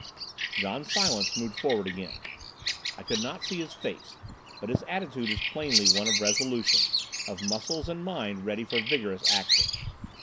John Silence moved forward again. I could not see his face, but his attitude was plainly one of resolution, of muscles and mind ready for vigorous action.